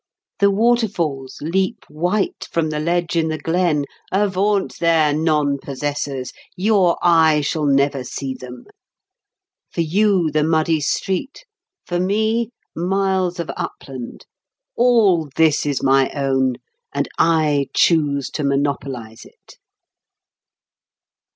The waterfalls leap white from the ledge in the glen; avaunt there, non possessors; your eye shall never see them. For you the muddy street; for me, miles of upland. All this is my own. And I choose to monopolise it."